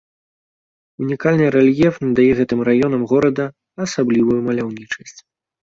Унікальны рэльеф надае гэтым раёнам горада асаблівую маляўнічасць.